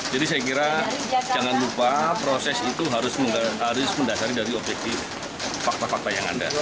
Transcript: jadi saya kira jangan lupa proses itu harus mendasari dari objektif fakta fakta yang ada